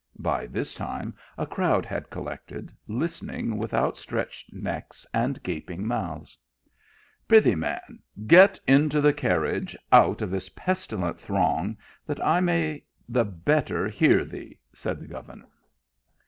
By this time, a crowd had collected, listening with outstretched necks and gaping mouths. " Pry thee man, get into the carnage out of this pestilent throng, that I may the better hear thee," said the governor.